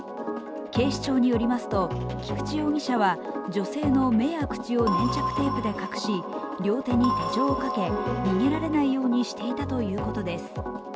警視庁によりますと、菊地容疑者は女性の目や口を粘着テープで隠し両手に手錠をかけ、逃げられないようにしていたといういことです。